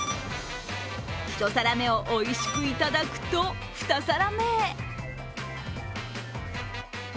１皿目をおいしくいただくと２皿目へ。